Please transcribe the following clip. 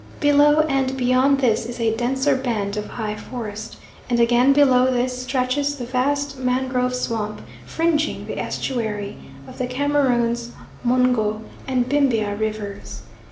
Below, and beyond this is a denser band of high forest, and again below this stretches the vast mangrove swamp fringing the estuary of the Cameroons, Mungo, and Bimbia rivers.